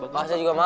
pak saya juga mau